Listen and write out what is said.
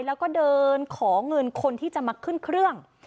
แล้วก็เดินขอเงินคนที่จะมาขึ้นเครื่อง